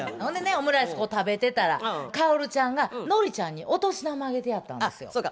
ほんでねオムライスこう食べてたら薫ちゃんがノリちゃんにお年玉あげてやったんですよ。